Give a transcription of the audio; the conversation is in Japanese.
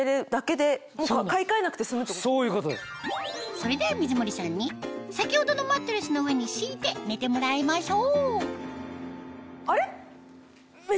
それでは水森さんに先ほどのマットレスの上に敷いて寝てもらいましょうあれ？